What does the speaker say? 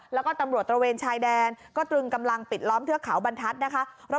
แล้วก็ตำรวจตระเวนชายแดนก็ตรึงกำลังปิดล้อมเทือกเขาบรรทัศน์นะคะ